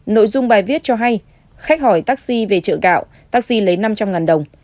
nội dung bài viết cho hay khách hỏi taxi về chợ gạo taxi lấy năm trăm linh đồng